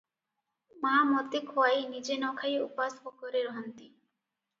ମା' ମୋତେ ଖୁଆଇ ନିଜେ ନ ଖାଇ ଉପାସ ଭୋକରେ ରହନ୍ତି ।